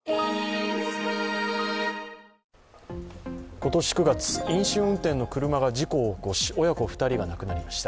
今年９月、飲酒運転の車が事故を起こし親子２人が亡くなりました。